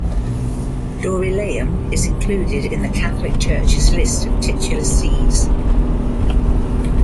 Dorylaeum is included in the Catholic Church's list of titular sees.